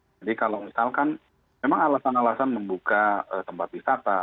jadi kalau misalkan memang alasan alasan membuka tempat wisata